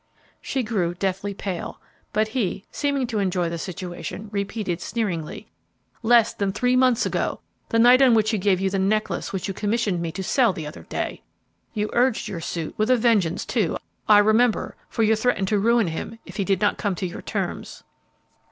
She grew deathly pale; but he, seeming to enjoy the situation, repeated, sneeringly, "Less than three months ago, the night on which he gave you the necklace which you commissioned me to sell the other day! You urged your suit with a vengeance, too, I remember, for you threatened to ruin him if he did not come to your terms.